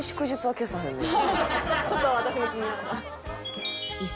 ちょっと私も気になった。